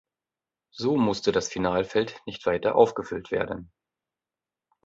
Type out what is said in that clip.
So musste das Finalfeld nicht weiter aufgefüllt werden.